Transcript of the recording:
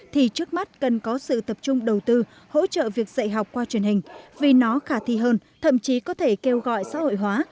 thì trước mắt cần có sự tập trung đầu tư hỗ trợ việc dạy học qua truyền hình vì nó khả thi hơn thậm chí có thể kêu gọi xã hội hóa